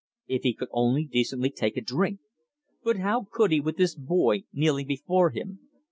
If he could only decently take a drink! But how could he with this boy kneeling before him?